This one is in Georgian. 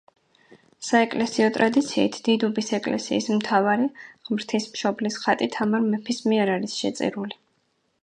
საეკლესიო ტრადიციით, დიდუბის ეკლესიის მთავარი, ღმრთისმშობლის ხატი თამარ მეფის მიერ არის შეწირული.